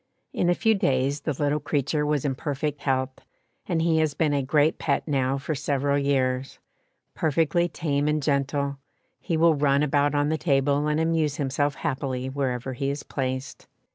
In a few days the little creature was in perfect health, and he has been a great pet now for several years; perfectly tame and gentle, he will run about on the table and amuse himself happily wherever he is placed.